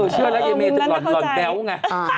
เชื่อแล้วเย็นเมล์หล่อนแบ๊วไง